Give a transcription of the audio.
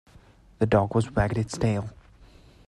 The dog was wagged its tail.